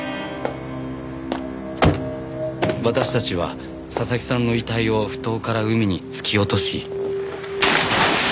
私たちは佐々木さんの遺体を埠頭から海に突き落とし。